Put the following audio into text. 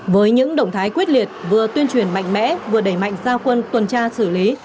với những động thái quyết liệt vừa tuyên truyền mạnh mẽ vừa đẩy mạnh giao quân tuần tra xử lý